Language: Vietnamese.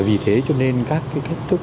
vì thế cho nên các cái kết thúc